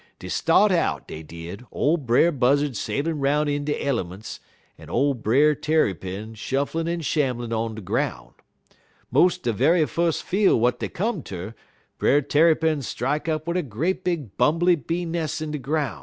"Dey start out, dey did, ole Brer Buzzud sailin' 'roun' in de elements, en ole Brer Tarrypin shufflin' en shamblin' on de groun'. 'Mos' de ve'y fus' fiel' w'at he come ter, Brer Tarrypin strak up wid a great big bumbly bee nes' in de groun'.